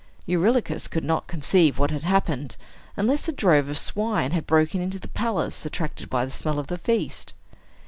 Eurylochus could not conceive what had happened, unless a drove of swine had broken into the palace, attracted by the smell of the feast.